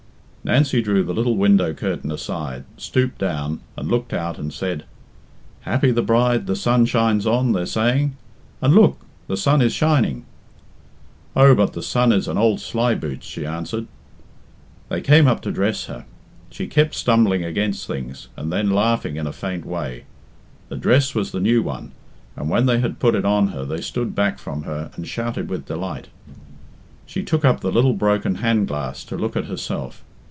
Nancy drew the little window curtain aside, stooped down, and looked out and said, "'Happy the bride the sun shines on' they're saying, and look! the sun is shining." "Oh, but the sun is an old sly boots," she answered. They came up to dress her. She kept stumbling against things, and then laughing in a faint way. The dress was the new one, and when they had put it on they stood back from her and shouted with delight. She took up the little broken hand glass to look at herself.